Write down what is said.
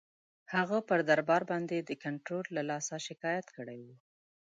هغه پر دربار باندي د کنټرول له لاسه شکایت کړی وو.